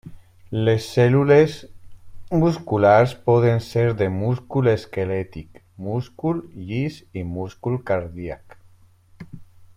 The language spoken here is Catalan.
Les cèl·lules musculars poden ser de múscul esquelètic, múscul llis i múscul cardíac.